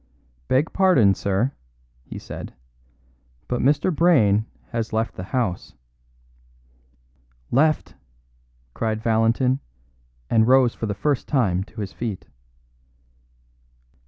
"Beg pardon, sir," he said, "but Mr. Brayne has left the house." "Left!" cried Valentin, and rose for the first time to his feet.